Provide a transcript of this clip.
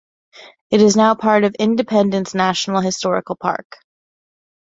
It is now part of Independence National Historical Park.